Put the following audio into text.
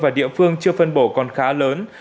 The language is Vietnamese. và địa phương chưa phân bổ còn khá lớn